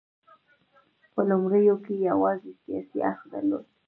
په لومړیو کې یې یوازې سیاسي اړخ درلود.